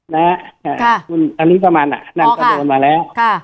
นะฮะคุณอลิสมันนั่นก็โดนมาแล้ว